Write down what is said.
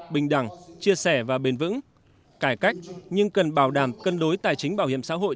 bình đẳng chia sẻ và bền vững cải cách nhưng cần bảo đảm cân đối tài chính bảo hiểm xã hội